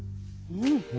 うん。